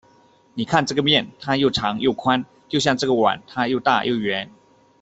你看这个面，它又长又宽，就像这个碗，它又大又圆。